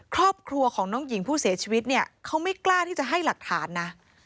ครอบครัวของน้องหญิงผู้เสียชีวิตเนี่ยเขาไม่กล้าที่จะให้หลักฐานนะ